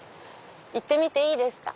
行ってみていいですか？